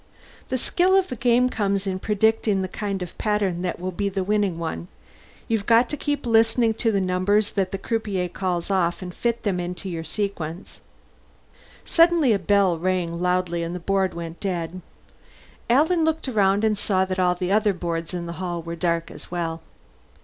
The skill of the game comes in predicting the kind of pattern that will be the winning one. You've got to keep listening to the numbers that the croupier calls off, and fit them into your sequence." Suddenly a bell rang loudly, and the board went dead. Alan looked around and saw that all the other boards in the hall were dark as well.